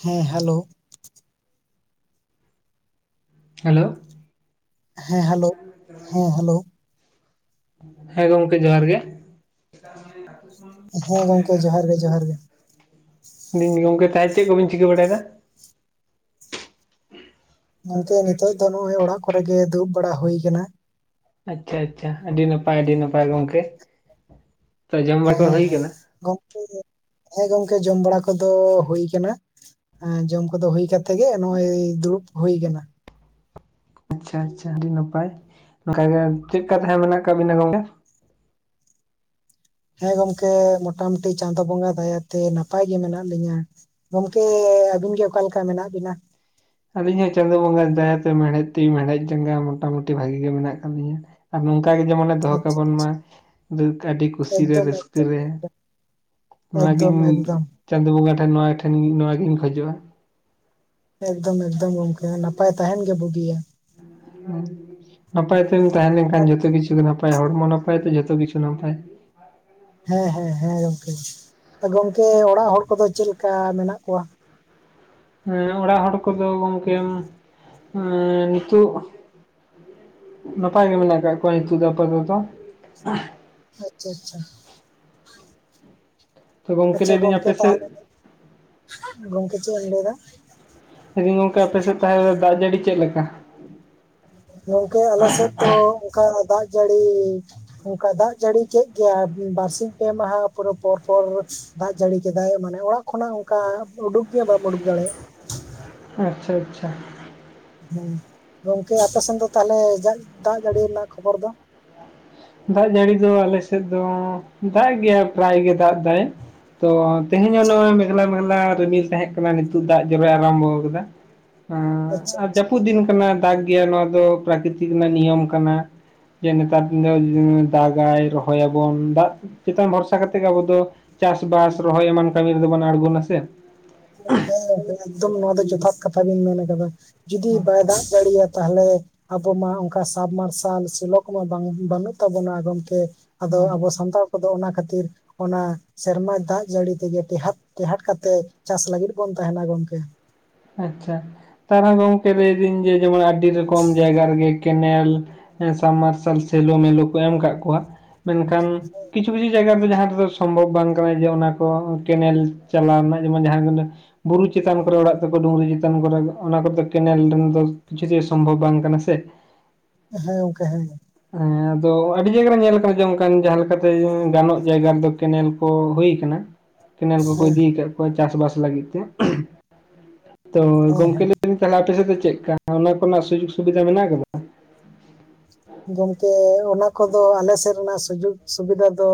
ᱦᱮᱸ hello- hello, ᱦᱮᱸ hello, ᱦᱮᱸ ᱦᱟᱞᱳ ᱦᱮᱸ ᱜᱚᱝᱠᱮ ᱡᱚᱦᱟᱨ ᱜᱮ᱾ ᱦᱮᱸ ᱜᱚᱝᱠᱮ ᱡᱚᱦᱟᱨ ᱜᱮᱼᱡᱚᱦᱟᱨ ᱜᱮ᱾ ᱞᱮᱭᱫᱤᱧ, ᱜᱚᱢᱠᱮ ᱛᱟᱦᱚᱞᱮ ᱪᱮᱫ ᱠᱚᱵᱤᱱ ᱪᱤᱠᱟᱹ ᱵᱟᱲᱟᱭᱮᱫᱟ? ᱜᱚᱝᱠᱮ ᱱᱤᱛᱚᱜ ᱫᱚ ᱱᱚᱜᱼᱚᱭ ᱚᱲᱟᱜ ᱠᱚᱨᱮ ᱜᱮ ᱫᱩᱲᱩᱵ ᱵᱟᱲᱟ ᱦᱩᱭ ᱠᱟᱱᱟ ᱟᱪᱪᱷᱟ ᱟᱪᱷᱟ ᱟᱰᱤ ᱱᱟᱯᱟᱭ ᱟᱰᱤ ᱱᱟᱯᱟᱭ ᱜᱚᱝᱠᱮ ᱦᱮᱸ ᱦᱮᱸ ᱜᱚᱢᱠᱮ ᱦᱮᱸ ᱜᱚᱝᱠᱮ ᱡᱚᱢ ᱵᱟᱲᱟ ᱠᱚᱫᱚ ᱦᱩᱭ ᱠᱟᱱᱟ ᱡᱚᱢ ᱠᱚᱫᱚ ᱦᱩᱭ ᱠᱟᱛᱮ ᱜᱮ ᱱᱚᱜ-ᱚᱭ ᱫᱩᱲᱩᱵ ᱦᱩᱭ ᱠᱟᱱᱟ ᱟᱪᱪᱷᱟ ᱟᱪᱷᱟ ᱟᱹᱰᱤ ᱱᱟᱯᱟᱭ ᱱᱚᱠᱟ ᱜᱮ ᱪᱮᱫ ᱠᱟ ᱛᱟᱦᱞᱮ ᱢᱮᱱᱟᱜ ᱠᱟᱜ ᱵᱤᱱᱟ ᱜᱚᱝᱠᱮ ᱦᱮᱸ ᱜᱚᱢᱠᱮ ᱢᱳᱴᱟᱢᱩᱴᱤ ᱪᱟᱸᱫᱳ ᱵᱚᱸᱜᱟ ᱫᱟᱭᱟᱛᱮ ᱱᱟᱯᱟᱭ ᱜᱮ ᱢᱮᱱᱟᱜ ᱞᱤᱧᱟᱹ ᱜᱚᱢᱠᱮᱻ ᱟᱹᱵᱤᱱ ᱜᱮ ᱚᱠᱟ ᱞᱮᱠᱟ ᱢᱮᱱᱟᱜ ᱵᱤᱱᱟ? ᱟᱹᱞᱤᱧ ᱦᱚᱸ ᱪᱟᱸᱫᱳ ᱵᱚᱸᱜᱟ ᱫᱟᱭᱟᱛᱮ ᱢᱮᱲᱦᱮᱫ ᱛᱤ ᱢᱮᱲᱦᱮᱫ ᱡᱟᱸᱜᱟ ᱢᱚᱴᱟᱢᱩᱴᱤ ᱵᱷᱟᱜᱤ ᱜᱮ ᱢᱮᱱᱟᱜ ᱠᱟᱫ ᱞᱤᱧᱟ᱾ ᱟᱨ ᱱᱚᱝᱠᱟ ᱜᱮ ᱡᱮᱢᱚᱱᱮ ᱫᱚᱦᱚ ᱟᱪᱪᱷᱟ ᱠᱟᱵᱚᱱ ᱢᱟ ᱫᱩᱠ ᱟᱰᱤ ᱠᱩᱥᱤ ᱨᱮ ᱮᱠᱫᱚᱢ ᱨᱟᱹᱥᱠᱟᱹ ᱮᱠᱫᱚᱢ ᱨᱮ᱾ ᱮᱠᱫᱚᱢ ᱱᱚᱣᱟᱜᱤᱧ ᱮᱠᱫᱚᱢ᱾ ᱪᱟᱸᱫᱳ ᱵᱚᱸᱜᱟ ᱴᱷᱮᱱ ᱱᱚᱣᱟ ᱴᱷᱮᱱ ᱱᱚᱣᱟᱜᱤᱧ ᱠᱷᱚᱡᱚᱜᱼᱟ᱾ ᱮᱠᱫᱚᱢ ᱮᱠᱫᱚᱢ ᱜᱚᱢᱠᱮ ᱱᱟᱯᱟᱭ ᱛᱟᱸᱦᱮᱱ ᱜᱮ ᱵᱩᱜᱤᱭᱟ᱾ ᱦᱩᱸᱻ ᱱᱟᱯᱟᱭ ᱛᱮᱢ ᱛᱟᱦᱮᱸ ᱞᱮᱱᱠᱷᱟᱱ ᱡᱚᱛᱚ ᱠᱤᱪᱷᱩ ᱜᱮ ᱱᱟᱯᱟᱭᱟ ᱦᱚᱲᱢᱚ ᱱᱟᱯᱟᱭ ᱛᱮ ᱡᱚᱛᱚ ᱠᱤᱪᱷᱩ ᱱᱟᱯᱟᱭ᱾ ᱦᱮᱸ ᱦᱮᱸ ᱦᱮᱸ ᱜᱚᱝᱠᱮ ᱜᱚᱢᱠᱮ ᱚᱲᱟᱜ ᱦᱚᱲ ᱠᱚᱫᱚ ᱪᱮᱫ ᱞᱮᱠᱟ ᱢᱮᱱᱟᱜ ᱠᱚᱣᱟ? ᱦᱮᱸ ᱚᱲᱟᱜ ᱦᱚᱲ ᱠᱚᱫᱚ ᱜᱚᱢᱠᱮᱢ ᱱᱤᱛᱚᱜ ᱱᱟᱯᱟᱭ ᱜᱮ ᱢᱮᱱᱟᱜ ᱠᱟᱜ ᱠᱚᱣᱟ ᱱᱤᱛᱚᱜ ᱫᱚ ᱟᱯᱟᱫᱚᱛᱚ᱾ ᱟᱪᱪᱷᱟ ᱟᱪᱪᱷᱟ᱾ ᱛᱚ ᱜᱚᱢᱠᱮ ᱟᱪᱪᱷᱟ ᱞᱟᱹᱭᱫᱟᱹᱧ ᱜᱚᱝᱠᱮ ᱟᱯᱮ ᱥᱮᱫ ᱛᱟᱦᱞᱮ ᱜᱚᱢᱠᱮ ᱪᱮᱫ ᱮᱢ ᱞᱟᱹᱭᱫᱟ? ᱞᱟᱹᱭ ᱫᱤᱧ ᱜᱚᱝᱠᱮ ᱟᱯᱮ ᱥᱮᱫ ᱛᱟᱦᱞᱮ ᱫᱟᱜ ᱡᱟᱹᱲᱤ ᱪᱮᱫ ᱞᱮᱠᱟ᱾ ᱜᱚᱝᱠᱮ ᱟᱞᱮ ᱥᱮᱫ ᱫᱚ ᱚᱱᱠᱟ ᱫᱟᱜ ᱡᱟᱹᱲᱤ ᱚᱱᱠᱟ ᱫᱟᱜ ᱡᱟᱹᱲᱤ ᱠᱮᱫ ᱜᱮᱭᱟ ᱵᱟᱨᱥᱤᱧ ᱯᱮ ᱢᱟᱦᱟ ᱯᱚᱨᱮ ᱯᱚᱨᱯᱚᱨ ᱫᱟᱜ ᱡᱟᱹᱲᱤ ᱠᱮᱫᱟᱭ ᱢᱟᱱᱮ ᱚᱲᱟᱜ ᱠᱷᱚᱱᱟᱜ ᱚᱱᱠᱟ ᱩᱰᱩᱠ ᱜᱮ ᱵᱟᱢ ᱩᱰᱩᱠ ᱫᱟᱲᱮᱭᱟᱜᱼᱟ ᱟᱪᱪᱷᱟ ᱟᱪᱪᱷᱟ ᱦᱩᱸ ᱜᱚᱝᱠᱮ ᱟᱯᱮ ᱥᱮᱱ ᱫᱚ ᱛᱟᱦᱞᱮ ᱡᱟᱜ ᱫᱟᱜ ᱡᱟᱹᱲᱤ ᱨᱮᱱᱟᱜ ᱠᱷᱚᱵᱚᱨ ᱫᱚ ᱫᱟᱜ ᱡᱟᱹᱲᱤ ᱫᱚ ᱟᱞᱮ ᱥᱮᱫ ᱫᱚ ᱫᱟᱜ-ᱮᱜ ᱜᱮᱭᱟ ᱯᱨᱟᱭ ᱜᱮ ᱫᱟᱜ ᱫᱟᱭ ᱛᱚ ᱛᱤᱦᱮᱧ ᱦᱚᱸ ᱱᱚᱜᱼᱚ ᱢᱮᱜᱞᱟ ᱢᱮᱜᱞᱟ ᱨᱤᱢᱤᱞ ᱛᱟᱦᱮᱸ ᱠᱟᱱᱟ ᱱᱤᱛᱚᱜ ᱫᱟᱜ ᱡᱚᱨᱚᱭ ᱟᱨᱟᱢᱵᱚ ᱠᱟᱫᱟ ᱦᱟᱻ ᱟᱪᱪᱷᱟ ᱟᱨ ᱟᱪᱪᱷᱟ ᱡᱟᱹᱯᱩᱫ ᱫᱤᱱ ᱠᱟᱱᱟ ᱫᱟᱜᱽ ᱜᱮ ᱱᱚᱣᱟ ᱫᱚ ᱯᱨᱟᱠᱤᱛᱤᱠ ᱨᱮᱱᱟᱜ ᱱᱤᱭᱚᱢ ᱠᱟᱱᱟ ᱡᱮ ᱱᱮᱛᱟᱨ ᱫᱤᱱ ᱫᱚ ᱫᱟᱜᱟᱭ ᱨᱚᱦᱚᱭ ᱟᱵᱚᱱ ᱫᱟᱜ ᱪᱮᱛᱟᱱ ᱵᱷᱚᱨᱥᱟ ᱠᱟᱛᱮ ᱜᱮ ᱟᱵᱚ ᱫᱚ ᱪᱟᱥᱵᱟᱥ ᱨᱚᱦᱚᱭ ᱮᱢᱟᱱ ᱠᱟᱹᱢᱤ ᱨᱮᱫᱚ ᱵᱚᱱ ᱟᱬᱜᱚᱱᱟ ᱥᱮ [inaudible] ᱮᱠᱫᱚᱢ ᱱᱚᱣᱟ ᱫᱚ ᱡᱚᱛᱷᱟᱛ ᱠᱟᱛᱷᱟ ᱵᱤᱱ ᱢᱮᱱ ᱠᱟᱫᱟ ᱡᱩᱫᱤ ᱵᱟᱭ ᱫᱟᱜ ᱡᱟᱹᱲᱤᱼᱟ ᱛᱟᱦᱞᱮ ᱟᱵᱚ ᱢᱟ ᱚᱱᱠᱟ ᱥᱟᱵ ᱢᱟᱨᱥᱟᱞ ᱥᱤᱞᱳ ᱠᱚᱢᱟ [inaudible] ᱵᱟᱹᱱᱩᱜ ᱛᱟᱵᱚᱱᱟ ᱜᱚᱢᱠᱮ ᱟᱫᱚ ᱟᱵᱚ ᱥᱟᱱᱛᱟᱲ ᱠᱚᱫᱚ ᱚᱱᱟ ᱠᱷᱟᱹᱛᱤᱨ ᱚᱱᱟ ᱥᱮᱨᱢᱟ ᱫᱟᱜ ᱡᱟᱹᱲᱤ ᱛᱮᱜᱮ ᱴᱮᱦᱟᱴ ᱴᱮᱦᱟᱰ ᱠᱟᱛᱮ ᱪᱟᱥ ᱞᱟᱹᱜᱤᱫ ᱵᱚᱱ ᱛᱟᱦᱮᱱᱟ ᱜᱚᱢᱠᱮ ᱟᱪᱪᱷᱟ ᱛᱟᱨᱟ ᱜᱚᱢᱠᱮ ᱞᱟᱹᱭᱫᱟᱹᱧ ᱡᱮ ᱡᱮᱢᱚᱱ ᱟᱹᱰᱤ ᱨᱚᱠᱚᱢ ᱡᱟᱭᱜᱟ ᱨᱮᱜᱮ ᱠᱮᱱᱮᱞ ᱥᱟᱵᱢᱟᱨᱥᱟᱞ ᱥᱮᱞᱳ ᱢᱮᱞᱳ ᱠᱚ ᱮᱢ ᱠᱟᱜ ᱠᱚᱣᱟ ᱢᱮᱱᱠᱷᱟᱱ ᱠᱤᱪᱷᱩ ᱠᱤᱪᱷᱩ ᱡᱟᱭᱜᱟ ᱨᱮ ᱫᱚ ᱡᱟᱦᱟᱸ ᱨᱮᱫᱚ ᱥᱚᱢᱵᱷᱚᱵᱽ ᱵᱟᱝ ᱠᱟᱱᱟ ᱡᱮ ᱚᱱᱟ ᱠᱚ ᱠᱮᱱᱮᱞ ᱪᱟᱞᱟ ᱨᱮᱱᱟᱜ ᱡᱮᱢᱚᱱ ᱡᱟᱦᱟᱸ ᱵᱩᱨᱩ ᱪᱤᱛᱟᱱ ᱠᱚᱨᱮ ᱚᱲᱟᱜ [unintelligible] ᱰᱩᱝᱨᱤ ᱪᱮᱛᱟᱱ ᱠᱚᱨᱮ ᱜᱮ ᱚᱱᱟ ᱠᱚᱛᱮ ᱠᱮᱱᱮᱞ [unintelligible] ᱤᱪᱷᱩ ᱥᱚᱢᱵᱷᱚᱵ ᱵᱟᱝ ᱠᱟᱱᱟ ᱥᱮ ᱦᱮᱸ ᱜᱚᱝᱠᱮ ᱦᱮᱸ ᱦᱮᱸ ᱟᱫᱚ ᱟᱹᱰᱤ ᱡᱟᱭᱜᱟ ᱨᱮ ᱧᱮᱞ ᱠᱟᱱᱟ ᱡᱮ ᱚᱱᱠᱟᱱ ᱡᱟᱦᱟᱸ ᱞᱮᱠᱟᱛᱮ ᱜᱟᱱᱚᱜ ᱡᱟᱭᱜᱟ ᱨᱮᱫᱚ ᱠᱮᱱᱮᱞ ᱠᱚ ᱦᱩᱭ ᱠᱟᱱᱟ ᱠᱮᱱᱮᱞ ᱠᱚᱠᱚ ᱦᱮᱸ ᱤᱫᱤ ᱠᱟᱜ ᱠᱚᱣᱟ ᱪᱟᱥ ᱵᱟᱥ ᱞᱟᱹᱜᱤᱫ ᱛᱮ ᱛᱚ ᱦᱮᱸ ᱦᱮᱸ ᱜᱚᱝᱠᱮ ᱞᱟᱹᱭ [unintelligible] ᱛᱟᱦᱞᱮ ᱟᱯᱮ ᱥᱮᱫ ᱫᱚ ᱪᱮᱫ ᱠᱟ ᱚᱱᱟ ᱠᱚᱨᱮᱱᱟᱜ ᱥᱩᱡᱩᱜᱽ ᱥᱩᱵᱤᱫᱷᱟ ᱢᱮᱱᱟᱜ ᱠᱟᱫᱟ ᱜᱚᱢᱠᱮ ᱚᱱᱟ ᱠᱚᱫᱚ ᱟᱞᱮ ᱥᱮᱫ ᱨᱮᱱᱟᱜ ᱥᱩᱡᱩᱜᱽ ᱥᱩᱵᱤᱫᱟ ᱫᱚ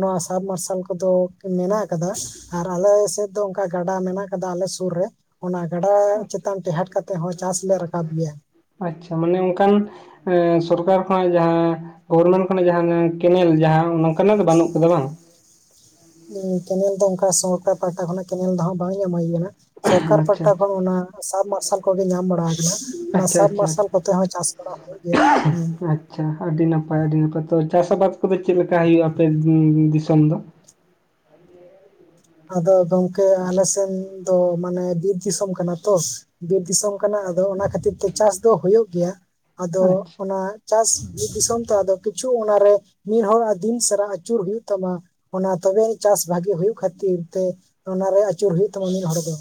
ᱱᱚᱣᱟ ᱥᱟᱵᱢᱟᱨᱥᱟᱞ ᱠᱚᱫᱚ ᱢᱮᱱᱟᱜ ᱟᱠᱟᱫᱟ ᱟᱨ ᱟᱞᱮ ᱥᱮᱫ ᱫᱚ ᱚᱱᱠᱟ ᱜᱟᱰᱟ ᱢᱮᱱᱟᱜ ᱠᱟᱫᱟ ᱟᱞᱮ ᱥᱩᱨ ᱨᱮ ᱚᱱᱟ ᱜᱟᱰᱟ ᱪᱮᱛᱟᱱ ᱴᱮᱦᱟᱴ ᱠᱟᱛᱮ ᱦᱚᱸ ᱪᱟᱥ ᱞᱮ ᱨᱟᱠᱟᱵ ᱜᱮᱭᱟ ᱟᱪᱪᱷᱟ ᱢᱟᱱᱮ ᱚᱱᱠᱟᱱ ᱥᱚᱨᱠᱟᱨ ᱠᱷᱚᱱᱟᱜ ᱡᱟᱦᱟᱸ ᱜᱚᱵᱷᱚᱨᱢᱮᱱᱴ ᱠᱷᱚᱱᱟᱜ ᱡᱟᱦᱟᱸ ᱠᱮᱱᱮᱞ ᱡᱟᱦᱟᱸ ᱱᱚᱝᱠᱟᱱᱟᱜ ᱫᱚ ᱵᱟᱹᱱᱩᱜ ᱠᱟᱫᱟ ᱵᱟᱝ? ᱠᱮᱱᱮᱞ ᱫᱚ ᱚᱱᱠᱟ ᱥᱚᱨᱠᱟᱨ ᱯᱟᱦᱟᱴᱟ ᱠᱷᱚᱱᱟᱜ ᱠᱮᱱᱮᱞ ᱫᱚ ᱵᱟᱝ ᱧᱟᱢ ᱦᱩᱭ ᱠᱟᱱᱟ᱾ ᱥᱚᱨᱠᱟᱨ ᱟᱪᱪᱷᱟ ᱯᱟᱦᱴᱟ ᱠᱷᱚᱱ ᱚᱱᱟ ᱥᱟᱵᱢᱟᱨᱥᱟᱞ ᱠᱚᱜᱮ ᱧᱟᱢ ᱵᱟᱲᱟ ᱟᱠᱟᱱᱟ᱾ ᱚᱱᱟ ᱟᱪᱪᱷᱟ ᱥᱟᱵ ᱟᱪᱪᱷᱟ ᱢᱟᱨᱟᱨᱥᱟᱞ ᱠᱚᱛᱮ ᱦᱚᱸ ᱪᱟᱥ ᱵᱟᱲᱟ ᱦᱩᱭᱩᱜ ᱜᱮᱭᱟ ᱦᱮᱸ᱾ ᱟᱪᱪᱷᱟ ᱟᱹᱰᱤ ᱱᱟᱯᱟᱭ ᱟᱹᱰᱤ ᱱᱟᱯᱟᱭ ᱛᱚ ᱪᱟᱥ ᱟᱵᱟᱫᱽ ᱠᱚᱫᱚ ᱪᱮᱫ ᱞᱮᱠᱟ ᱦᱩᱭᱩᱜᱼᱟ ᱟᱯᱮ ᱫᱤᱥᱚᱢ ᱫᱚ? ᱟᱫᱚ ᱜᱚᱝᱠᱮ ᱟᱞᱮ ᱥᱮᱱ ᱛᱚ ᱢᱟᱱᱮ ᱵᱤᱨ ᱫᱤᱥᱚᱢ ᱠᱟᱱᱟ ᱛᱚ ᱵᱤᱨ ᱫᱤᱥᱚᱢ ᱠᱟᱱᱟ᱾ ᱟᱫᱚ ᱚᱱᱟ ᱠᱷᱟᱹᱛᱤᱨ ᱛᱮ ᱪᱟᱥ ᱫᱚ ᱦᱩᱭᱩᱜ ᱜᱮᱭᱟ᱾ ᱟᱫᱚ ᱟᱪᱪᱷᱟ ᱚᱱᱟ ᱪᱟᱥ ᱫᱤᱥᱚᱢ ᱛᱮ ᱟᱫᱚ ᱠᱤᱪᱷᱩ ᱚᱱᱟᱨᱮ ᱢᱤᱫᱦᱚᱲ ᱟᱨ ᱫᱤᱱ ᱥᱟᱨᱟ ᱟᱹᱪᱩᱨ ᱦᱩᱭᱩᱜ ᱛᱟᱢᱟ᱾ ᱚᱱᱟ ᱛᱚᱵᱮ ᱪᱟᱥ ᱵᱷᱟᱹᱜᱤ ᱦᱩᱭᱩᱜ ᱠᱷᱟᱹᱛᱤᱨ ᱛᱮ ᱚᱱᱟᱨᱮ ᱟᱹᱪᱩᱨ ᱦᱩᱭᱩᱜ ᱛᱟᱢᱟ ᱢᱤᱫᱦᱚᱲ ᱫᱚ᱾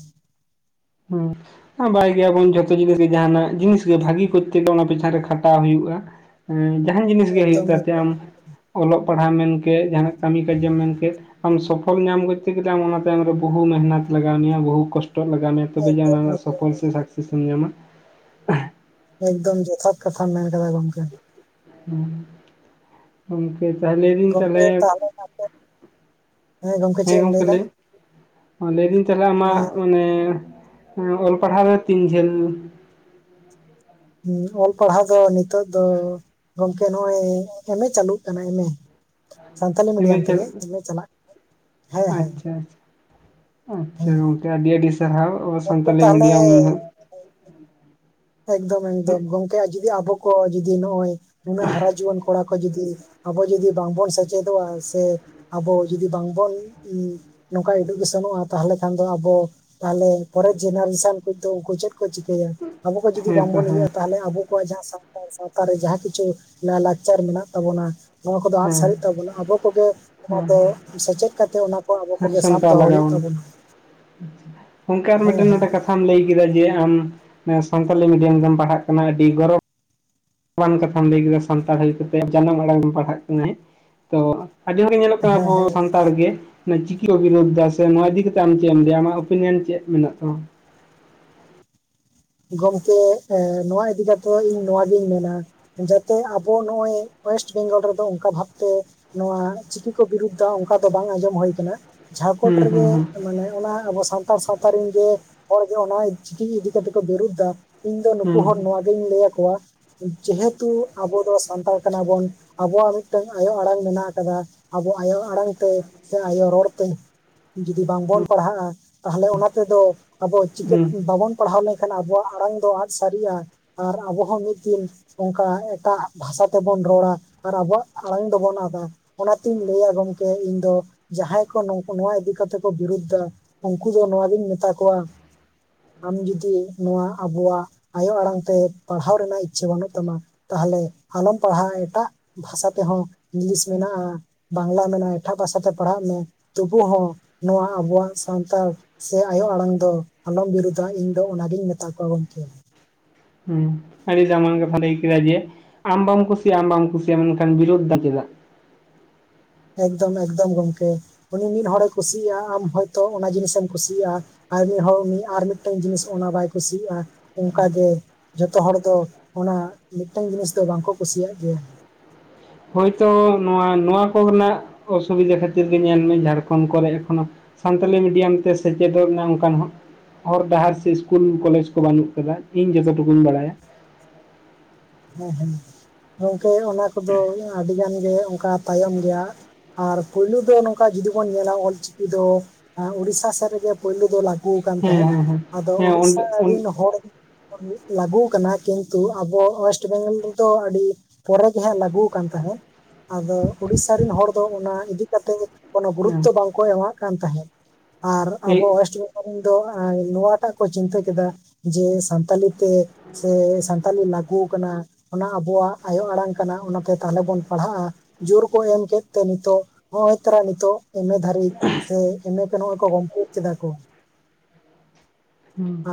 [unintelligible] [unintelligible] ᱜᱮᱭᱟᱵᱚᱱ ᱡᱷᱚᱛᱚ ᱡᱤᱱᱤᱥ ᱜᱮ ᱡᱟᱦᱟᱱᱟᱜ ᱡᱤᱱᱤᱥ ᱜᱮ ᱵᱷᱟᱹᱜᱤ ᱠᱚᱨᱛᱮ ᱜᱮ ᱚᱱᱟ ᱯᱤᱪᱷᱟᱱ ᱨᱮ ᱠᱷᱟᱴᱟᱣ ᱦᱩᱭᱩᱜᱼᱟ᱾ ᱡᱟᱦᱟᱱ ᱡᱤᱱᱤᱥ ᱜᱮ ᱦᱩᱭᱩᱜ ᱮᱠᱫᱚᱢ ᱛᱟᱛᱮ ᱮᱠᱫᱚᱢ ᱟᱢ ᱚᱞᱚᱜ ᱯᱟᱲᱦᱟᱜ ᱢᱮᱱᱠᱮᱫ ᱡᱟᱦᱟᱱᱟᱜ ᱠᱟᱹᱢᱤ ᱠᱟᱡᱮᱢ ᱢᱮᱱ ᱠᱮᱫ᱾ ᱟᱢ ᱥᱚᱯᱷᱚᱞ ᱧᱟᱢ ᱠᱚᱛᱮ ᱜᱮ ᱟᱢ ᱚᱱᱟ ᱛᱟᱭᱚᱢ ᱨᱮ ᱵᱚᱦᱩ ᱢᱮᱦᱱᱚᱛ ᱞᱟᱜᱟᱣ ᱢᱮᱭᱟ ᱵᱚᱦᱩ ᱠᱚᱥᱴᱚᱜ ᱞᱟᱜᱟᱣ ᱢᱮᱭᱟ᱾ ᱛᱚᱵᱮ ᱮᱠᱫᱚᱢ ᱡᱮ ᱥᱚᱯᱷᱚᱞ ᱮᱠᱫᱚᱢ ᱥᱮ ᱥᱟᱠᱥᱮᱥ ᱮᱢ ᱧᱟᱢᱟ᱾ ᱮᱠᱫᱚᱢ ᱡᱚᱛᱷᱟᱛ ᱠᱟᱛᱷᱟ ᱢᱮᱱ ᱟᱠᱟᱫᱟ ᱜᱚᱝᱠᱮ᱾ ᱦᱮᱸ ᱛᱟᱦᱞᱮ ᱞᱟᱹᱭ ᱤᱫᱟᱹᱧ ᱜᱚᱢᱠᱮ ᱛᱟᱦᱚᱞᱮ, ᱟᱯᱮ ᱜᱚᱢᱠᱮ ᱦᱮᱸ ᱪᱮᱫ ᱮᱢ ᱜᱚᱝᱢᱮ ᱞᱟᱹᱭᱫᱟ ᱞᱟᱹᱭ ᱢᱮ᱾ ᱞᱟᱹᱭ ᱫᱟᱹᱧ ᱛᱟᱦᱞᱮ ᱟᱢᱟᱜ ᱮᱸ, ᱢᱟᱱᱮ ᱦᱮ ᱚᱞ ᱯᱟᱲᱦᱟᱣ ᱫᱚ ᱛᱤᱱ ᱡᱷᱟᱹᱞ? ᱦᱮᱸ ᱚᱞ ᱯᱟᱲᱦᱟᱣ ᱫᱚ ᱱᱤᱛᱚᱜ ᱫᱚ ᱜᱚᱝᱠᱮ ᱱᱚᱜᱼᱚᱭ ᱮᱢ ᱮ ᱪᱟᱹᱞᱩᱜ ᱠᱟᱱᱟ ᱮᱢ ᱮ᱾ ᱥᱟᱱᱛᱟᱞᱤ ᱮᱢ ᱮ ᱢᱤᱰᱤᱭᱟᱢ ᱛᱮᱜᱮ ᱪᱟᱞᱟᱜ ᱮᱢ ᱮ ᱪᱟᱞᱟᱜ ᱠᱟᱱᱟ᱾ ᱟᱪᱪᱷᱟ ᱟᱪᱪᱷᱟ ᱟᱪᱪᱷᱟ ᱦᱮᱸ ᱜᱚᱝᱠᱮ ᱟᱹᱰᱤ ᱟᱹᱰᱤ ᱥᱟᱨᱦᱟᱣ ᱟᱵ ᱜᱚᱝᱠᱮ ᱥᱟᱱᱛᱟᱞᱤ ᱛᱟᱦᱚᱞᱮ ᱢᱤᱰᱤᱭᱟᱢ ᱮᱠᱫᱚᱢ ᱦᱮᱸ ᱮᱠᱫᱚᱢ ᱜᱚᱝᱠᱮ ᱡᱩᱫᱤ ᱟᱵᱚ ᱠᱚ ᱡᱩᱫᱤ ᱱᱚᱜᱼᱚᱭ ᱱᱩᱱᱟᱹᱜ ᱦᱟᱨᱟ ᱡᱩᱣᱟᱹᱱ ᱠᱚᱲᱟ ᱠᱚ ᱡᱩᱫᱤ ᱟᱵᱚ ᱡᱩᱫᱤ ᱵᱟᱝᱵᱚᱱ ᱥᱮᱪᱮᱫᱚᱜᱼᱟ ᱥᱮ ᱟᱵᱚ ᱡᱩᱫᱤ ᱵᱟᱝᱵᱚᱱ ᱱᱚᱝᱠᱟ ᱮᱰᱩᱠᱮᱥᱚᱱᱚᱜᱼᱟ ᱛᱟᱦᱚᱞᱮ ᱠᱷᱟᱱ ᱫᱚ ᱟᱵᱚ ᱛᱟᱦᱚᱞᱮ ᱯᱚᱨᱮ ᱡᱮᱱᱟᱨᱮᱥᱚᱱ ᱠᱤᱱᱛᱩ ᱩᱱᱠᱩ ᱪᱮᱫ ᱠᱚ ᱪᱤᱠᱟᱹᱭᱟ? ᱟᱵᱚ ᱠᱚ ᱡᱩᱫᱤ ᱛᱚ ᱵᱟᱝᱵᱚᱱ ᱦᱮᱸ ᱤᱭᱟᱹᱭᱟ ᱛᱟᱦᱚᱞᱮ ᱟᱵᱚ ᱠᱚᱣᱟᱜ ᱡᱟᱦᱟᱸ ᱥᱟᱱᱛᱟᱲ ᱥᱟᱶᱛᱟ ᱨᱮ ᱡᱟᱦᱟᱸ ᱠᱤᱪᱷᱩ ᱞᱟᱭᱞᱟᱠᱪᱟᱨ ᱢᱮᱱᱟᱜ ᱛᱟᱵᱚᱱᱟ᱾ ᱱᱚᱣᱟ ᱠᱚᱫᱚ ᱟᱫ ᱦᱮᱸ ᱥᱟᱹᱨᱤᱜ ᱛᱟᱵᱚᱱᱟ᱾ ᱟᱵᱚ ᱠᱚᱜᱮ ᱚᱱᱟ ᱦᱮᱸ ᱫᱚ ᱥᱮᱪᱮᱫ ᱠᱟᱛᱮᱜ ᱚᱱᱟ ᱠᱚ ᱟᱵᱚ ᱦᱮᱸ ᱠᱚᱜᱮ ᱥᱟᱵ ᱫᱚᱦᱚ ᱦᱩᱭᱩᱜ ᱛᱟᱵᱚᱱᱟ᱾ ᱜᱚᱝᱠᱮ ᱟᱨ ᱦᱮᱸ ᱢᱤᱫᱴᱮᱱ ᱦᱮᱸ ᱱᱚᱰᱮ ᱠᱟᱛᱷᱟ ᱠᱟᱛᱷᱟᱢ ᱞᱟᱹᱭ ᱠᱮᱫᱟ ᱡᱮ ᱟᱢ ᱥᱟᱱᱛᱟᱞᱤ ᱢᱤᱰᱤᱭᱟᱢ ᱨᱮᱢ ᱯᱟᱲᱦᱟᱜ ᱠᱟᱱᱟ᱾ ᱟᱹᱰᱤ ᱜᱚᱨᱚᱵᱽ ᱟᱱ ᱠᱟᱛᱷᱟᱢ ᱞᱟᱹᱭ ᱠᱮᱫᱟ ᱥᱟᱱᱛᱟᱲ ᱦᱩᱭ ᱠᱟᱛᱮ ᱡᱟᱱᱟᱢ ᱟᱲᱟᱝ ᱮᱢ ᱯᱟᱲᱦᱟᱜ ᱠᱟᱱᱟ ᱛᱚ᱾ ᱟᱹᱰᱤ ᱦᱚᱲ ᱤᱧ ᱧᱮᱞᱚᱜ ᱠᱟᱱᱟ ᱦᱮᱸ ᱟᱵᱚ ᱦᱮᱸ [unintelligible] ᱛᱟᱲ ᱜᱮ ᱪᱤᱠᱤ ᱚᱵᱤᱨᱳᱫ ᱮᱫᱟ ᱥᱮ ᱱᱚᱣᱟ ᱤᱫᱤ ᱠᱟᱛᱮ ᱟᱢ ᱪᱮᱫ ᱮᱢ ᱞᱟᱹᱭᱟ ᱟᱢᱟᱜ ᱚᱯᱤᱱᱤᱭᱚᱱ ᱪᱮᱫ ᱢᱮᱱᱟᱜ ᱛᱟᱢᱟ? ᱜᱚᱢᱠᱮ ᱱᱚᱣᱟ ᱤᱫᱤ ᱠᱟᱛᱮᱫ ᱤᱧ ᱱᱚᱣᱟᱜᱤᱧ ᱢᱮᱱᱟ᱾ ᱡᱟᱛᱮ ᱟᱵᱚ ᱱᱚᱜᱼᱚᱭ ᱳᱭᱮᱥᱴ ᱵᱮᱝᱜᱚᱞ ᱨᱮᱫᱚ ᱚᱱᱠᱟ ᱵᱷᱟᱵᱛᱮ ᱱᱚᱣᱟ ᱪᱤᱠᱤ ᱠᱚ ᱵᱤᱨᱩᱫᱫᱟ ᱚᱱᱠᱟ ᱫᱚ ᱵᱟᱝ ᱟᱸᱡᱚᱢ ᱦᱩᱭ ᱟᱠᱟᱱᱟ᱾ ᱡᱷᱟᱲᱠᱷᱚᱸᱰ ᱦᱩᱸ ᱨᱮᱱ ᱦᱩᱸ ᱜᱮ ᱦᱩᱸ ᱢᱟᱱᱮ ᱚᱱᱟ ᱟᱵᱚ ᱥᱟᱱᱛᱟᱲ ᱥᱟᱶᱛᱟ ᱨᱮᱱ ᱜᱮ ᱦᱚᱲᱜᱮ ᱚᱱᱟ ᱪᱤᱠᱤ ᱤᱫᱤ ᱠᱟᱛᱮᱫ ᱠᱚ ᱵᱤᱨᱩᱫᱫᱟ ᱤᱧ ᱫᱚ ᱱᱩᱠᱩ ᱦᱩᱸ ᱦᱚᱲ ᱱᱚᱣᱟᱜᱤᱧ ᱞᱟᱹᱭ ᱟᱠᱚᱣᱟ ᱡᱮᱦᱮᱛᱩ ᱟᱵᱚ ᱫᱚ ᱥᱟᱱᱛᱟᱲ ᱠᱟᱱᱟᱵᱚᱱ ᱟᱵᱚᱣᱟᱜ ᱢᱤᱫᱴᱟᱱ ᱟᱭᱳ ᱟᱲᱟᱝ ᱢᱮᱱᱟᱜ ᱟᱠᱟᱫᱟ᱾ ᱟᱵᱚ ᱟᱭᱳ ᱟᱲᱟᱝ ᱛᱮ, ᱥᱮ ᱟᱭᱳ ᱛᱮ ᱡᱩᱫᱤ ᱵᱟᱝᱵᱚᱱ ᱯᱟᱲᱦᱟᱜᱼᱟ, ᱛᱟᱦᱚᱞᱮ ᱚᱱᱟ ᱛᱮᱫᱚ ᱟᱵᱚ ᱪᱤᱠᱟᱹ ᱦᱩᱸ ᱵᱟᱵᱚᱱ ᱯᱟᱲᱦᱟᱣ ᱞᱮᱱᱠᱷᱟᱱ ᱠᱷᱟᱱ ᱟᱵᱚᱣᱟᱜ ᱟᱲᱟᱝ ᱫᱚ ᱟᱺᱫ ᱥᱟᱹᱨᱤᱜᱼᱟ ᱟᱨ ᱟᱵᱚ ᱦᱚᱸ ᱢᱤᱫ ᱫᱤᱱ ᱚᱱᱠᱟ ᱮᱴᱟᱜ ᱵᱷᱟᱥᱟ ᱛᱮᱵᱚᱱ ᱨᱚᱲᱟ ᱟᱨ ᱟᱵᱚᱣᱟᱜ ᱟᱲᱟᱝ ᱫᱚᱵᱚᱱ ᱟᱫᱟ ᱚᱱᱟᱛᱤᱧ ᱞᱟᱹᱭᱟ ᱜᱚᱝᱠᱮ ᱤᱧ ᱫᱚ ᱡᱟᱦᱟᱸᱭ ᱠᱚ ᱱᱚᱣᱟ ᱤᱫᱤ ᱠᱟᱛᱮ ᱠᱚ ᱵᱤᱨᱩᱫ ᱮᱫᱟ ᱩᱱᱠᱩ ᱫᱚ ᱱᱚᱣᱟᱜᱤᱧ ᱢᱮᱛᱟ ᱠᱚᱣᱟ ᱟᱢ ᱡᱩᱫᱤ ᱱᱚᱣᱟ ᱟᱵᱚᱣᱟᱜ ᱟᱭᱳ ᱟᱲᱟᱝ ᱛᱮ ᱯᱟᱲᱦᱟᱣ ᱨᱮᱱᱟᱜ ᱤᱪᱪᱷᱟᱹ ᱵᱟᱹᱱᱩᱜ ᱛᱟᱢᱟ ᱛᱟᱦᱚᱞᱮ ᱟᱞᱚᱢ ᱯᱟᱲᱦᱟᱜᱼᱟ᱾ᱮᱴᱟᱜ ᱵᱷᱟᱥᱟ ᱛᱮᱦᱚᱸ ᱤᱝᱞᱤᱥ ᱢᱮᱱᱟᱜᱼᱟ, ᱵᱟᱝᱞᱟ ᱢᱮᱱᱟᱜᱼᱟ, ᱮᱴᱟᱜ ᱵᱷᱟᱥᱟ ᱛᱮ ᱯᱟᱲᱦᱟᱜ ᱢᱮ᱾ ᱛᱚᱵᱩ ᱦᱚᱸ ᱱᱚᱣᱟ ᱟᱵᱚᱣᱟᱜ ᱥᱟᱱᱛᱟᱲ ᱥᱮ ᱟᱭᱳ ᱟᱲᱟᱝ ᱫᱚ ᱟᱞᱚᱢ ᱵᱤᱨᱩᱫᱟ ᱤᱧ ᱫᱚ ᱚᱱᱟᱜᱤᱧ ᱢᱮ [unintelligible] ᱜᱚᱝᱠᱮ᱾ ᱦᱮᱸ ᱟᱹᱰᱤ ᱫᱟᱢᱟᱱ ᱠᱟᱛᱷᱟᱢ ᱞᱟᱹᱭ ᱠᱮᱫᱟ ᱡᱮ ᱟᱢ ᱵᱟᱢ ᱠᱩᱥᱤᱭᱟᱜᱼᱟ ᱟᱢ ᱵᱟᱢ ᱠᱩᱥᱤᱭᱟᱜᱼᱟ ᱢᱮᱱᱠᱷᱟᱱ ᱵᱤᱨᱳᱫ ᱫᱟᱢ ᱪᱮᱫᱟᱜ? ᱮᱠᱫᱚᱢ ᱮᱠᱫᱚᱢ ᱜᱚᱢᱠᱮ ᱩᱱᱤ ᱢᱤᱫ ᱦᱚᱲᱮ ᱠᱩᱥᱤᱭᱟᱜᱼᱟ ᱟᱢ ᱦᱚᱭᱛᱳ ᱚᱱᱟ ᱡᱤᱱᱤᱥ ᱮᱢ ᱠᱩᱥᱤᱭᱟᱜᱼᱟ᱾ ᱟᱨ ᱢᱤᱫ ᱦᱚᱲ ᱩᱱᱤ ᱟᱨ ᱢᱤᱫᱴᱟᱱ ᱡᱤᱱᱤᱥ ᱚᱱᱟ ᱵᱟᱭ ᱠᱩᱥᱤᱭᱟᱜᱼᱟ ᱚᱱᱠᱟᱜᱮ ᱡᱚᱛᱚ ᱦᱚᱲ ᱫᱚ ᱚᱱᱟ ᱢᱤᱫᱴᱮᱱ ᱡᱤᱱᱤᱥ ᱫᱚ ᱵᱟᱝᱠᱚ ᱠᱩᱥᱤᱭᱟᱜ ᱜᱮᱭᱟ᱾ ᱦᱚᱭᱛᱚ ᱱᱚᱣᱟ ᱱᱚᱣᱟ ᱠᱚᱨᱮᱱᱟᱜ ᱚᱥᱩᱵᱤᱫᱟ ᱠᱷᱟᱹᱛᱤᱨ ᱜᱮ ᱧᱮᱞ ᱢᱮ ᱡᱷᱟᱲᱠᱷᱚᱱᱰ ᱠᱚᱨᱮ ᱮᱠᱷᱚᱱᱚ ᱥᱟᱱᱛᱟᱞᱤ ᱢᱤᱰᱤᱭᱟᱢ ᱛᱮ ᱥᱮᱪᱮᱫᱚᱜ ᱮᱱᱟ ᱚᱱᱠᱟᱱ ᱦᱟᱜ ᱦᱚᱨ ᱰᱟᱦᱟᱨ ᱥᱮ ᱤᱥᱠᱩᱞ ᱠᱚᱞᱮᱡᱽ ᱠᱚ ᱵᱟᱹᱱᱩᱜ ᱠᱟᱫᱟ ᱤᱧ ᱡᱚᱛᱚ ᱴᱩᱠᱩᱧ ᱵᱟᱲᱟᱭᱟ᱾ ᱦᱮᱸ ᱦᱮᱸ ᱜᱚᱝᱠᱮ ᱚᱱᱟ ᱠᱚᱫᱚ ᱟᱹᱰᱤ ᱜᱟᱱ ᱜᱮ ᱚᱱᱠᱟ ᱛᱟᱭᱚᱢ ᱜᱮᱭᱟ᱾ ᱟᱨ ᱯᱩᱭᱞᱩ ᱫᱚ ᱱᱚᱝᱠᱟ ᱡᱩᱫᱤ ᱵᱚᱱ ᱧᱮᱞᱟ ᱚᱞ ᱪᱤᱠᱤ ᱫᱚ ᱩᱲᱤᱥᱥᱟ ᱥᱮᱫ ᱨᱮᱜᱮ ᱯᱩᱭᱞᱩ ᱫᱚ ᱜᱩ ᱠᱟᱱ ᱦᱮᱸ ᱛᱟᱦᱮᱸᱫ ᱦᱮᱸ ᱦᱮᱸ ᱟᱫᱚ ᱦᱮᱸ ᱩᱲᱤᱥᱥᱟ ᱚᱸᱰᱮ ᱚᱸᱰᱮ ᱨᱮᱱ ᱦᱚᱲ ᱞᱟᱹᱜᱩ ᱠᱟᱱᱟ ᱠᱤᱱᱛᱩ ᱟᱵᱚ ᱚᱭᱮᱥ ᱳᱭᱮᱥᱴ ᱵᱮᱝᱜᱚᱞ ᱨᱮᱫᱚ ᱟᱹᱰᱤ ᱯᱚᱨᱮ ᱜᱮ ᱦᱟᱸᱜ ᱞᱟᱹᱜᱩ ᱠᱟᱱ ᱛᱟᱦᱮᱸᱫ᱾ ᱟᱫᱚ ᱩᱲᱤᱥᱥᱟ ᱨᱮᱱ ᱦᱚᱲ ᱫᱚ ᱚᱱᱟ ᱤᱫᱤ ᱠᱟᱛᱮᱫ ᱠᱳᱱᱳ ᱜᱩᱨᱩᱛᱛᱚ ᱦᱮᱸ ᱵᱟᱝᱠᱚ ᱮᱢᱟᱜ ᱠᱟᱱ ᱛᱟᱦᱮᱸᱫ᱾ ᱟᱨ ᱟᱵᱚ ᱦᱮᱸ ᱳᱭᱮᱥᱴ ᱵᱮᱝᱜᱚᱞ ᱨᱮᱱ ᱫᱚ ᱱᱚᱣᱟᱴᱟᱜ ᱠᱚ ᱪᱤᱱᱛᱟᱹ ᱠᱮᱫᱟ ᱡᱮ ᱥᱟᱱᱛᱟᱞᱤ ᱛᱮ ᱥᱮ ᱥᱟᱛᱟᱞᱤ ᱞᱟᱜᱩ ᱚᱱᱟ ᱟᱵᱚᱣᱟᱜ ᱟᱭᱳ ᱟᱲᱟᱝ ᱠᱟᱱᱟ ᱚᱱᱟᱛᱮ ᱛᱟᱦᱚᱞᱮ ᱵᱚᱱ ᱯᱟᱲᱦᱟᱜᱼᱟ᱾ ᱡᱳᱨ ᱠᱚ ᱮᱢ ᱠᱮᱫ ᱛᱮ ᱱᱤᱛᱚᱜ ᱱᱚᱜ-ᱚᱭ ᱛᱚᱨᱟᱝ ᱱᱤᱛᱚᱜ ᱮᱢ ᱮ ᱫᱷᱟᱹᱨᱤᱡ ᱥᱮ ᱮᱢ ᱮ ᱠᱚ ᱱᱚᱜ-ᱚᱭ ᱠᱚ ᱠᱚᱢᱯᱞᱤᱴ ᱠᱮᱫᱟ ᱠᱚ᱾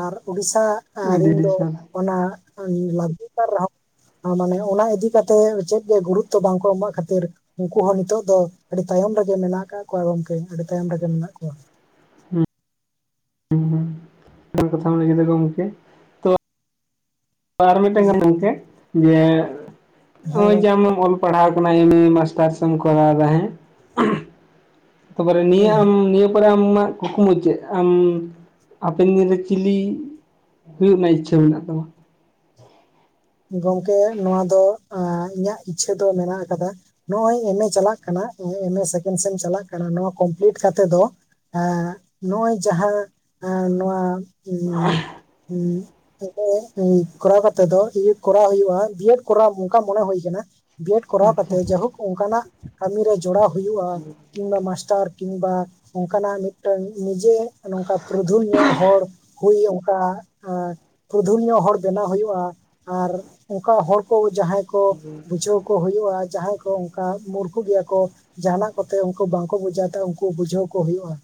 ᱟᱨ ᱩᱰᱤᱥᱥᱟ ᱟᱹᱰᱤ ᱨᱤᱱ ᱟᱹᱰᱤ ᱫᱚ ᱥᱟᱨᱦᱟᱣ ᱚᱱᱟ ᱞᱟᱜᱩ ᱠᱟᱱ ᱨᱮᱦᱚᱸ ᱟ ᱢᱟᱱᱮ ᱚᱱᱟ ᱤᱫᱤᱠᱟ ᱠᱟᱛᱮᱜ ᱪᱮᱫ ᱜᱮ ᱜᱩᱨᱩᱛᱛᱚ ᱵᱟᱝᱠᱚ ᱮᱢᱟᱜ ᱠᱷᱟᱹᱛᱤᱨ ᱩᱝᱠᱩ ᱦᱚᱸ ᱱᱤᱛᱚᱜ ᱫᱚ ᱟᱹᱰᱤ ᱛᱟᱭᱚᱢ ᱨᱮᱜᱮ ᱢᱮᱱᱟᱜ ᱠᱟᱜ ᱠᱚᱣᱟ ᱜᱚᱝᱠᱮ ᱟᱹᱰᱤ ᱛᱟᱭᱚᱢ ᱨᱮᱜᱮ ᱢᱮᱱᱟᱜ ᱠᱚᱣᱟ᱾ ᱦᱩᱸ ᱦᱩᱸ [unintelligible] ᱠᱟᱛᱷᱟᱢ ᱞᱟᱹᱭ ᱠᱮᱫᱟ ᱜᱚᱝᱠᱮ᱾ ᱟᱨ ᱢᱤᱫᱴᱟᱝ ᱜᱟᱱ ᱜᱚᱝᱠᱮ ᱡᱮ ᱦᱮᱸ ᱦᱚᱜ-ᱚᱭ ᱡᱮ ᱜᱚᱢᱠᱮ ᱟᱢᱮᱢ ᱚᱞ ᱯᱟᱲᱦᱟᱣ ᱠᱟᱱᱟ ᱮᱢ ᱮ ᱢᱟᱥᱴᱟᱨᱥ ᱮᱢ ᱠᱚᱨᱟᱣᱫᱟ ᱦᱮᱸ᱾ ᱛᱟᱯᱚᱨᱮ ᱱᱤᱭᱟᱹ ᱦᱮᱸ ᱟᱢ ᱱᱤᱭᱟᱹ ᱯᱚᱨᱮ ᱟᱢ ᱢᱟ ᱠᱩᱠᱢᱩ ᱪᱮᱜ ᱟᱢ ᱦᱟᱯᱮᱱ ᱫᱤᱱ ᱨᱮ ᱪᱤᱞᱤ ᱦᱩᱭᱩᱜ ᱨᱮᱱᱟᱜ ᱤᱪᱪᱷᱟᱹ ᱢᱮᱱᱟᱜ ᱛᱟᱢᱟ? ᱜᱚᱝᱠᱮ ᱱᱚᱣᱟ ᱫᱚ ᱮᱸ ᱤᱧᱟᱹᱜ ᱤᱪᱪᱷᱟᱹ ᱫᱚ ᱢᱮᱱᱟᱜ ᱟᱠᱟᱫᱟ᱾ ᱱᱚᱜᱼᱚᱭ ᱮᱢ ᱮ ᱪᱟᱞᱟᱜ ᱠᱟᱱᱟ ᱮᱢ ᱮ ᱥᱮᱠᱮᱱᱰ ᱥᱮᱢ ᱪᱟᱞᱟᱜ ᱠᱟᱱᱟ ᱱᱚᱣᱟ ᱠᱚᱢᱯᱞᱤᱴ ᱠᱟᱛᱮᱜ ᱫᱚ ᱮᱸ ᱱᱚᱜ-ᱚᱭ ᱡᱟᱦᱟᱸ ᱮᱸ ᱱᱚᱣᱟ ᱩᱸ ᱩᱸ [unintelligible] ᱠᱚᱨᱟᱣ ᱠᱟᱛᱮ ᱫᱚ ᱤᱭᱟᱹ ᱠᱚᱨᱟᱣ ᱦᱩᱭᱩᱜᱼᱟ ᱵᱤᱭᱮᱰ ᱠᱚᱨᱟᱣ ᱚᱝᱠᱟ ᱢᱚᱱᱮ ᱦᱩᱭ ᱟᱠᱟᱱᱟ᱾ ᱵᱤᱭᱮᱰ ᱠᱚᱨᱟᱣ ᱟᱪᱪᱷᱟ ᱠᱟᱛᱮᱜ ᱡᱟᱭᱦᱳᱠ ᱚᱱᱠᱟᱱᱟᱜ ᱠᱟᱹᱢᱤᱨᱮ ᱡᱚᱲᱟᱣ ᱦᱩᱭᱩᱜᱼᱟ᱾ ᱠᱤᱝᱵᱟ ᱢᱟᱥᱴᱟᱨ ᱠᱤᱝᱵᱟ ᱚᱝᱠᱟᱱᱟᱜ ᱢᱤᱫ ᱢᱤᱫᱴᱟᱝ ᱱᱤᱡᱮ ᱱᱚᱝᱠᱟ ᱯᱨᱚᱫᱷᱩᱞ ᱧᱚᱜ ᱦᱚᱲ ᱦᱩᱭ ᱚᱱᱠᱟ ᱟᱸ ᱯᱨᱚᱫᱷᱩᱞ ᱧᱚᱜ ᱦᱚᱲ ᱵᱮᱱᱟᱣ ᱦᱩᱭᱩᱜᱼᱟ᱾ ᱟᱨ ᱚᱝᱠᱟ ᱦᱚᱲ ᱠᱚ ᱡᱟᱦᱟᱸᱭ ᱠᱚ ᱵᱩᱡᱷᱟᱹᱣ ᱠᱚ ᱦᱩᱭᱩᱜᱼᱟ ᱡᱟᱦᱟᱸᱭ ᱠᱚ ᱚᱝᱠᱟ ᱢᱩᱨᱠᱷᱩ ᱜᱮᱭᱟ ᱠᱚ ᱡᱟᱦᱱᱟᱜ ᱠᱚᱛᱮ ᱩᱝᱠᱩ ᱵᱟᱝᱠᱚ ᱵᱩᱡᱟᱹ ᱛᱮ ᱩᱝᱠᱩ ᱵᱩᱡᱷᱟᱹᱣ ᱠᱚ ᱦᱩᱭᱩᱜᱼᱟ᱾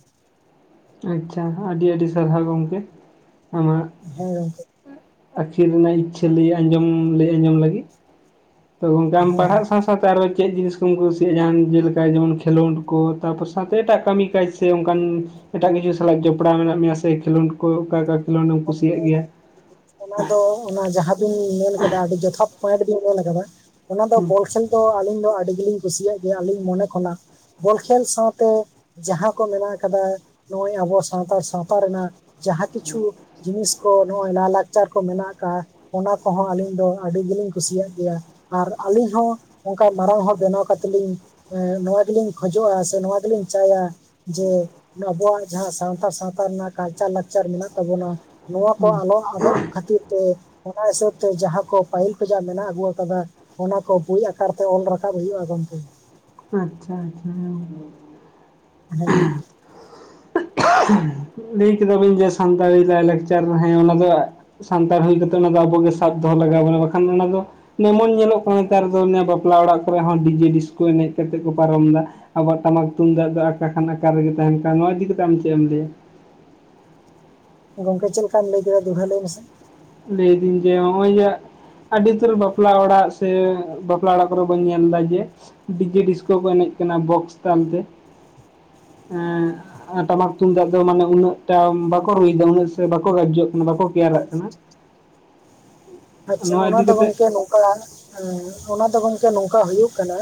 ᱟᱪᱪᱷᱟ ᱟᱹᱰᱤ ᱟᱹᱰᱤ ᱥᱟᱨᱦᱟᱣ ᱜᱚᱝᱠᱮ ᱟᱢᱟᱜ ᱦᱮᱸ ᱜᱚᱝᱠᱮ ᱟᱹᱠᱷᱤᱞ ᱨᱮᱱᱟᱜ ᱤᱪᱪᱷᱟᱹ ᱞᱟᱹᱭ ᱟᱸᱡᱚᱢ ᱞᱟᱹᱭ ᱟᱸᱡᱚᱢ ᱞᱟᱹᱜᱤᱫ ᱛᱚ ᱜᱚᱝᱠᱢᱮ ᱟᱢ ᱦᱮᱸ ᱦᱮᱸ ᱯᱟᱲᱦᱟᱜ ᱥᱟᱶ ᱥᱟᱶᱛᱮ ᱟᱨᱚ ᱪᱮᱜ ᱡᱤᱱᱤᱥ ᱠᱚᱢ ᱠᱩᱥᱤᱜᱼᱟ ᱡᱟᱦᱟᱸ ᱡᱮᱞᱮᱠᱟ ᱡᱮᱢᱚᱱ ᱠᱷᱮᱞᱳᱰ ᱠᱚ ᱛᱟᱯᱚᱨ ᱥᱟᱶᱛᱮ ᱮᱴᱟᱜ ᱠᱟᱹᱢᱤ ᱠᱟᱡᱽ ᱥᱮ ᱚᱝᱠᱟᱱ ᱮᱴᱟᱜ ᱠᱤᱪᱷᱩ ᱥᱟᱞᱟᱜ ᱡᱚᱯᱲᱟᱣ ᱢᱮᱱᱟᱜ ᱢᱮᱭᱟ ᱥᱮ ᱠᱷᱮᱞᱳᱰ ᱠᱚ ᱚᱠᱟ ᱚᱠᱚ ᱜᱝᱢᱠᱮ ᱚᱱᱟ ᱫᱚ ᱚᱱᱟ ᱡᱟᱦᱟᱸᱵᱤᱱ ᱢᱮᱱ ᱠᱟᱫᱟ ᱟᱹᱰᱤ ᱡᱚᱛᱷᱟᱛ ᱯᱚᱭᱮᱱᱴ ᱵᱤᱧ ᱢᱮᱱ ᱠᱟᱫᱟ ᱚᱱᱟ ᱫᱚ ᱦᱩᱸ ᱵᱚᱞ ᱠᱷᱮᱞ ᱫᱚ ᱟᱹᱞᱤᱧ ᱫᱚ ᱟᱹᱰᱤ ᱜᱮᱞᱤᱧ ᱠᱩᱥᱤᱭᱟᱜ ᱜᱮᱭᱟ ᱟᱹᱞᱤᱧ ᱢᱚᱱᱮ ᱠᱷᱚᱱᱟᱜ᱾ ᱵᱚᱞ ᱠᱷᱮᱞ ᱥᱟᱶᱛᱮ ᱡᱟᱦᱟᱸ ᱠᱚ ᱢᱮᱱᱟᱜ ᱟᱠᱟᱫᱟ ᱱᱚᱜᱼᱚᱭ ᱟᱵᱚ ᱥᱟᱱᱛᱟᱲ ᱥᱟᱶᱛᱟ ᱨᱮᱱᱟᱜ ᱡᱟᱦᱟᱸ ᱠᱤᱪᱷᱩ ᱡᱤᱱᱤᱥ ᱠᱚ ᱱᱚᱜᱼᱚᱭ ᱞᱟᱭ-ᱞᱟᱠᱪᱟᱨ ᱠᱚ ᱢᱮᱱᱟᱜ ᱠᱟᱜᱼᱟ ᱚᱱᱟ ᱠᱚᱦᱚᱸ ᱟᱹᱞᱤᱧ ᱫᱚ ᱟᱹᱰᱤ ᱜᱮᱞᱤᱧ ᱠᱩᱥᱤᱭᱟᱜ ᱜᱮᱭᱟ᱾ ᱟᱨ ᱟᱹᱞᱤᱧ ᱦᱚᱸ ᱚᱝᱠᱟ ᱢᱟᱨᱟᱝ ᱦᱚᱲ ᱵᱮᱱᱟᱣ ᱠᱟᱛᱮᱜ ᱞᱤᱧ ᱮᱸ ᱱᱚᱣᱟ ᱜᱮᱞᱤᱧ ᱠᱷᱚᱡᱚᱜᱼᱟ ᱥᱮ ᱱᱚᱣᱟ ᱜᱮᱞᱤᱧ ᱪᱟᱭᱟ ᱡᱮ ᱟᱵᱩᱣᱟᱜ ᱡᱟᱦᱟᱸ ᱥᱟᱶᱛᱟ ᱥᱟᱶᱛᱟ ᱨᱮᱱᱟᱜ ᱠᱟᱞᱪᱟᱨ ᱞᱟᱠᱪᱟᱨ ᱢᱮᱱᱟᱜ ᱛᱟᱵᱚᱱᱟ ᱱᱚᱣᱟ ᱠᱚ ᱦᱩᱸ ᱟᱞᱚ ᱟᱫᱚᱜ ᱠᱷᱟᱹᱛᱤᱨ ᱛᱮ ᱚᱱᱟ ᱦᱤᱥᱟᱹᱵ ᱛᱮ ᱡᱟᱦᱟᱸ ᱠᱚ ᱯᱟᱹᱦᱤᱞ ᱠᱷᱚᱡᱟᱜ ᱢᱮᱱᱟᱜ ᱟᱹᱜᱩ ᱟᱠᱟᱫᱟ ᱚᱱᱟ ᱠᱚ ᱵᱳᱭ ᱟᱠᱟᱨ ᱛᱮ ᱚᱞ ᱨᱟᱠᱟᱵ ᱦᱩᱭᱩᱜᱼᱟ ᱜᱚᱝᱠᱮ᱾ ᱟᱪᱪᱷᱟ ᱟᱪᱪᱷᱟ ᱦᱮᱸ [inaudible] ᱞᱟᱹᱭ ᱠᱮᱫᱟᱵᱤᱱ ᱡᱮ ᱥᱟᱱᱛᱟᱲᱤ ᱞᱟᱭᱼᱞᱟᱠᱪᱟᱨ ᱦᱮᱸ ᱚᱱᱟ ᱫᱚ ᱥᱟᱱᱛᱟᱲ ᱦᱩᱭ ᱠᱟᱛᱮᱜ ᱚᱱᱟ ᱫᱚ ᱟᱵᱚᱜᱮ ᱥᱟᱵ ᱫᱚᱦᱚ ᱞᱟᱜᱟᱣ ᱵᱚᱱᱟ ᱵᱟᱠᱷᱟᱱ ᱚᱱᱟ ᱫᱚ ᱡᱮᱢᱚᱱ ᱧᱮᱞᱚᱜ ᱠᱟᱱᱟ ᱱᱮᱛᱟᱨ ᱫᱚ ᱵᱟᱯᱞᱟ ᱚᱲᱟᱜ ᱠᱚᱨᱮ ᱦᱚᱸ ᱰᱤᱡᱮ ᱰᱤᱥᱠᱳ ᱮᱱᱮᱡ ᱠᱟᱛᱮᱜ ᱠᱚ ᱯᱟᱨᱚᱢᱫᱟ ᱟᱵᱚᱣᱟᱜ ᱴᱟᱢᱟᱠ ᱛᱩᱢᱫᱟᱜ ᱫᱚ ᱟᱠᱟ ᱠᱷᱟᱱ ᱟᱠᱟ ᱨᱮᱜᱮ ᱛᱟᱦᱮᱱ ᱠᱟᱱᱟ ᱱᱚᱣᱟ ᱤᱫᱤ ᱠᱟᱛᱮᱷ ᱟᱢ ᱪᱮᱜ ᱮᱢ ᱞᱟᱹᱭᱟ? ᱜᱚᱝᱠᱮ ᱪᱮᱜ ᱞᱮᱠᱟᱢ ᱞᱟᱹᱭ ᱠᱮᱫᱟ ᱫᱚᱲᱦᱟ ᱞᱟᱹᱭ ᱢᱮᱥᱮ? ᱞᱟᱹᱭᱫᱤᱧ ᱡᱮ ᱦᱚᱜᱼᱚᱭ ᱡᱮ ᱟᱹᱰᱤ ᱩᱛᱟᱹᱨ ᱵᱟᱯᱞᱟ ᱚᱲᱟᱜ ᱥᱮ ᱵᱟᱯᱞᱟ ᱚᱲᱟᱜ ᱠᱚᱨᱮ ᱵᱚᱱ ᱧᱮᱞᱫᱟ ᱡᱮ ᱰᱤᱡᱮ ᱰᱤᱥᱠᱳ ᱠᱚ ᱮᱱᱮᱡ ᱠᱟᱱᱟ ᱵᱚᱠᱥ ᱛᱟᱞᱛᱮ ᱮᱸ ᱴᱟᱢᱟᱠ ᱛᱩᱢᱫᱟᱜ ᱫᱚ ᱢᱟᱱᱮ ᱩᱱᱟᱹᱜ ᱴᱟ ᱵᱟᱠᱚ ᱨᱩᱭᱮᱫᱟ ᱩᱱᱟᱹᱜ ᱥᱮ ᱵᱟᱠᱚ ᱜᱟᱡᱡᱚᱜ ᱠᱟᱱᱟ ᱵᱟᱠᱚ ᱠᱮᱭᱟᱨᱟᱜ ᱠᱟᱱᱟ᱾ [inaudible] ᱟᱪᱪᱷᱟ ᱱᱚᱣᱟ ᱚᱱᱟ ᱤᱫᱤ ᱫᱚ ᱠᱟᱛᱮᱫ ᱜᱚᱝᱠᱮ ᱱᱚᱝᱠᱟ ᱮᱸ ᱚᱱᱟ ᱫᱚ ᱜᱚᱝᱠᱮ ᱱᱚᱝᱠᱟ ᱦᱩᱭᱩᱜ ᱠᱟᱱᱟ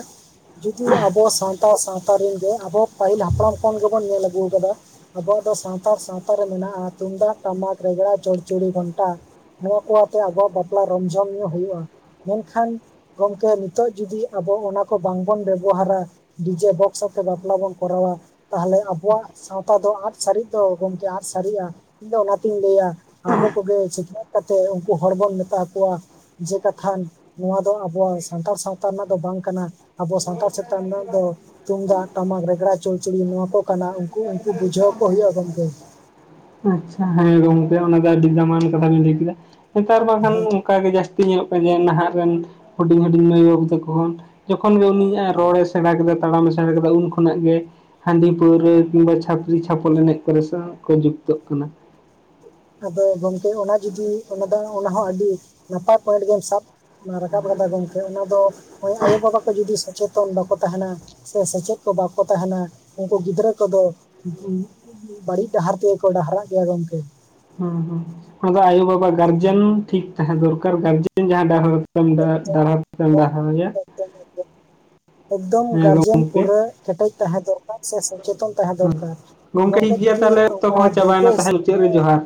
ᱡᱩᱫᱤ ᱟᱵᱚ ᱥᱟᱶᱛᱟ ᱥᱟᱶᱛᱟ ᱨᱮᱱ ᱜᱮ ᱟᱵᱚ ᱯᱟᱹᱦᱤᱞ ᱦᱟᱯᱲᱟᱢ ᱠᱷᱚᱱ ᱜᱮᱵᱚᱱ ᱧᱮᱞ ᱟᱹᱜᱩᱣ ᱠᱟᱫᱟ᱾ ᱟᱵᱚᱣᱟᱜ ᱫᱚ ᱥᱟᱱᱛᱟᱲ ᱥᱟᱶᱛᱟ ᱨᱮ ᱢᱮᱱᱟᱜᱼᱟ ᱛᱩᱢᱫᱟᱜ ᱴᱟᱢᱟᱠ ᱨᱮᱜᱽᱲᱟ ᱪᱚᱲᱪᱚᱲᱤ ᱜᱷᱚᱱᱴᱟ ᱱᱚᱣᱟ ᱠᱚ ᱟᱛᱮ ᱟᱵᱚᱣᱟᱜ ᱵᱟᱯᱞᱟ ᱨᱚᱢᱡᱚᱢ ᱧᱚᱜ ᱦᱩᱭᱩᱜᱼᱟ ᱢᱮᱱᱠᱷᱟᱱ ᱜᱚᱢᱠᱮ ᱱᱤᱛᱚᱜ ᱡᱚᱫᱤ ᱟᱵᱚ ᱚᱱᱟᱠᱚ ᱵᱟᱝᱵᱚᱱ ᱵᱮᱵᱚᱦᱟᱨᱟ ᱰᱤᱡᱮ ᱵᱚᱠᱥ ᱟᱛᱮ ᱵᱟᱯᱞᱟ ᱵᱚᱱ ᱠᱚᱨᱟᱣᱟ ᱛᱟᱦᱚᱞᱮ ᱟᱵᱚᱣᱟᱜ ᱥᱟᱶᱛᱟ ᱫᱚ ᱟᱫ ᱥᱟᱨᱤᱜ ᱫᱚ ᱜᱚᱝᱠᱮ ᱟᱫ ᱥᱟᱨᱤᱜᱼᱟ ᱤᱧ ᱫᱚ ᱚᱱᱟᱛᱤᱧ ᱞᱟᱹᱭᱟ ᱟᱵᱚ ᱠᱚᱜᱮ ᱥᱤᱠᱱᱟᱛ ᱠᱟᱛᱮᱫ ᱩᱱᱠᱩ ᱦᱚᱲ ᱵᱚᱱ ᱢᱮᱛᱟ ᱠᱚᱣᱟ ᱡᱮ ᱠᱟᱛᱷᱟᱱ ᱱᱚᱣᱟ ᱫᱚ ᱟᱵᱚᱣᱟᱜ ᱥᱟᱱᱛᱟᱲ ᱥᱟᱶᱛᱟ ᱨᱮᱱᱟᱜ ᱫᱚ ᱵᱟᱝ ᱠᱟᱱᱟ ᱟᱵᱚ ᱥᱟᱱᱛᱟᱲ ᱪᱮᱛᱟᱱ ᱨᱮᱱᱟᱜ ᱫᱚ ᱛᱩᱢᱫᱟᱜ ᱴᱟᱢᱟᱠ ᱨᱮᱜᱽᱲᱟ ᱪᱚᱲᱪᱚᱲᱤ ᱱᱚᱣᱟ ᱠᱚ ᱠᱟᱱᱟ ᱩᱱᱠᱩ ᱩᱱᱠᱩ ᱵᱩᱡᱷᱟᱹᱣ ᱠᱚ ᱦᱩᱭᱩᱜᱼᱟ ᱜᱚᱢᱠᱮ ᱟᱪᱪᱷᱟ ᱦᱮᱸ ᱜᱚᱝᱠᱮ ᱚᱱᱟ ᱫᱚ ᱟᱹᱰᱤ ᱫᱟᱢᱟᱱ ᱠᱟᱛᱷᱟ ᱵᱮᱤᱱ ᱞᱟᱹᱭ ᱠᱮᱫᱟ ᱱᱮᱛᱟᱨ ᱵᱟᱝᱠᱷᱟᱱ ᱦᱮᱸ ᱚᱱᱠᱟ ᱜᱮ ᱡᱟᱹᱥᱛᱤ ᱧᱮᱞᱚᱜ ᱠᱟᱱᱟ ᱡᱮ ᱱᱟᱦᱟᱜ ᱨᱮᱱ ᱦᱩᱰᱤᱧ ᱦᱩᱰᱤᱧ ᱢᱟᱹᱭ ᱵᱟᱹᱵᱩ ᱛᱟᱠᱚ ᱦᱚᱸ ᱡᱚᱠᱷᱚᱱ ᱜᱮ ᱩᱱᱤᱭᱟᱜ ᱨᱚᱲᱮ ᱥᱮᱬᱟ ᱠᱮᱫᱟ ᱛᱟᱲᱟᱢᱮ ᱥᱮᱬᱟ ᱠᱮᱫᱟ ᱩᱱ ᱠᱷᱚᱱᱟᱜ ᱜᱮ ᱦᱟᱺᱰᱤ ᱯᱟᱹᱣᱨᱟᱹ ᱠᱤᱝᱵᱟ ᱪᱷᱟᱹᱯᱨᱤ ᱪᱷᱟᱯᱚᱞ ᱮᱱᱮᱡ ᱠᱚᱨᱮ ᱥᱮ ᱠᱚ ᱡᱩᱠᱛᱚᱜ ᱠᱟᱱᱟ ᱟᱫᱚ ᱜᱚᱝᱠᱮ ᱚᱱᱟ ᱡᱩᱚᱫᱤ ᱚᱱᱟ ᱫᱚ ᱚᱱᱟᱦᱚᱸ ᱟᱹᱰᱤ ᱱᱟᱯᱟᱭ ᱯᱚᱭᱮᱱᱴ ᱜᱮᱢ ᱥᱟᱵ ᱨᱟᱠᱟᱵ ᱠᱟᱫᱟ ᱜᱚᱝᱠᱮ ᱚᱱᱟ ᱫᱚ ᱱᱚᱜ-ᱚᱭ ᱟᱭᱳᱵᱟᱵᱟ ᱠᱚ ᱡᱩᱫᱤ ᱥᱮᱪᱮᱫ ᱡᱚᱛᱚᱱ ᱵᱟᱠᱚ ᱛᱟᱦᱮᱱᱟ ᱥᱮ ᱥᱮᱪᱮᱫ ᱠᱚ ᱵᱟᱠᱚ ᱛᱟᱦᱮᱱᱟ ᱩᱱᱠᱩ ᱜᱤᱫᱽᱨᱟᱹ ᱠᱚᱫᱚ ᱵᱟᱹᱲᱤᱡ ᱰᱟᱦᱟᱨ ᱛᱮᱜᱮᱠᱚ ᱰᱟᱦᱟᱨᱟᱜ ᱜᱮᱭᱟ ᱜᱚᱝᱠᱮ ᱦᱩᱸ ᱦᱩᱸ ᱚᱱᱟ ᱫᱚ ᱟᱭᱳᱵᱟᱵᱟ ᱜᱟᱨᱡᱮᱱ ᱴᱷᱤᱠ ᱛᱟᱦᱮᱸ ᱫᱚᱨᱠᱟᱨ ᱜᱟᱨᱡᱮᱱ ᱡᱟᱦᱟᱸ ᱮᱠᱫᱚᱢ [unintelligible] ᱜᱮᱭᱟ [unintelligible] ᱮᱠᱫᱚᱢ ᱮᱠᱫᱚᱢ ᱜᱟᱨᱡᱮᱱ ᱜᱚᱝᱠᱮ ᱯᱩᱨᱟᱹ ᱠᱮᱴᱮᱡ ᱛᱟᱦᱮᱸ ᱫᱚᱨᱠᱟᱨ ᱥᱮ ᱥᱚᱪᱮᱛᱚᱱ ᱛᱟᱦᱮᱸ ᱫᱚᱨᱠᱟᱨ ᱜᱚᱝᱠᱮ ᱡᱩᱫᱤ ᱚᱱᱠᱟ ᱫᱟᱹᱭᱠᱟᱹ ᱦᱤᱥᱟᱹᱵ ᱪᱮᱫ ᱛᱮ ᱨᱮ ᱡᱚᱦᱟᱨ